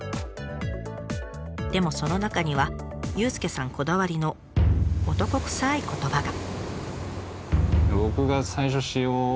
でもその中には佑介さんこだわりの男くさい言葉が。